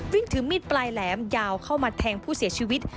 ถือมีดปลายแหลมยาวเข้ามาแทงผู้เสียชีวิต